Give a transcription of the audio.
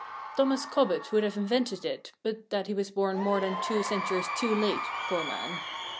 Thomas Cobbett would have invented it, but that he was born more than two centuries too late, poor man.